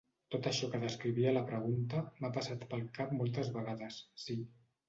Tot això que descrivia la pregunta m’ha passat pel cap moltes vegades, sí.